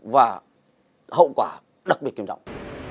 và hậu quả đặc biệt kiểm trọng